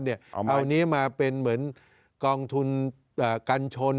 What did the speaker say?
เอานี้มาเป็นเหมือนกองทุนกันชน